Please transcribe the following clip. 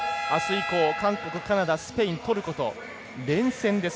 あす以降、韓国、カナダスペイン、トルコと連戦です。